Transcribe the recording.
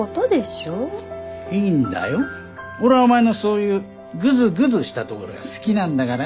俺はお前のそういうぐずぐずしたところが好きなんだからね。